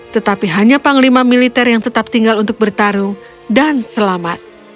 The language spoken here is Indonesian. tetapi hanya panglima militer yang tetap tinggal untuk bertarung dan selamat